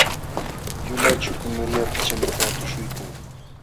Yulaq chukum Maria pichanakaq tuśhuykan.